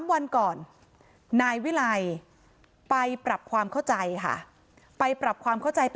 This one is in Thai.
๓วันก่อนนายวิลัยไปปรับความเข้าใจค่ะ